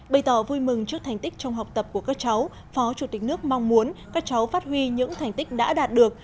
bày tỏ vui mừng trước thành tích trong học tập của các cháu phó chủ tịch nước mong muốn các cháu phát huy những thành tích đã đạt được